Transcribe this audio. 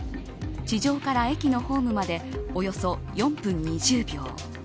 地上から駅のホームまでおよそ４分２０秒。